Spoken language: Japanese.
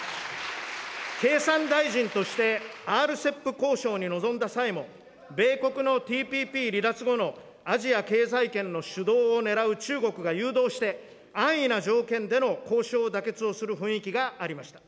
経産大臣として、ＲＣＥＰ交渉に臨んだ際も、米国のＴＰＰ離脱後のアジア経済圏の主導を狙う中国が誘導して、安易な条件での交渉妥結をする雰囲気がありました。